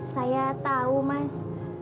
saya tau mas